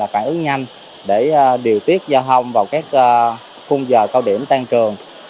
phản ứng nhanh để điều tiết giao thông vào các khung giờ cao điểm tăng trường